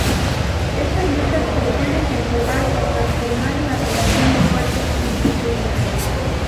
Estas luchas pretenden conservar o transformar la relación de fuerzas instituida.